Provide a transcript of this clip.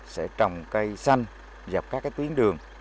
sẽ trồng cây xanh dọc các tuyến đường